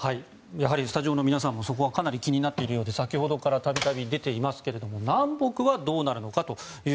スタジオの皆さんもそこはかなり気になっているようで先ほどから度々出ていますが南北はどうなるのか。